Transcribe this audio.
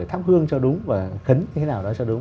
thắp hương cho đúng và khấn như thế nào đó cho đúng